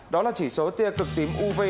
đó là chỉ số tia cực tím uv